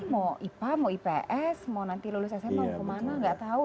mau ipa mau ips mau nanti lulus sma mau kemana nggak tahu